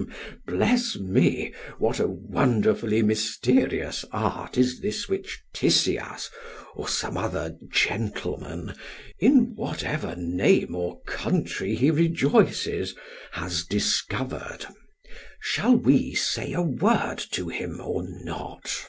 SOCRATES: Bless me, what a wonderfully mysterious art is this which Tisias or some other gentleman, in whatever name or country he rejoices, has discovered. Shall we say a word to him or not?